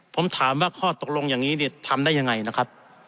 ผมถามว่าข้อตกลงอย่างนี้ทำได้อย่างไรนะครับ